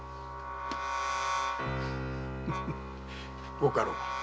ご家老。